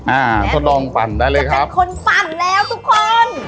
อ่าทดลองปั่นได้เลยครับเป็นคนปั่นแล้วทุกคน